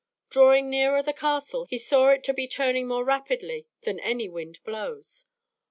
Drawing nearer the castle, he saw it to be turning more rapidly than any wind blows.